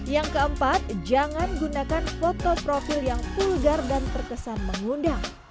yang keempat jangan gunakan foto profil yang pulgar dan terkesan mengundang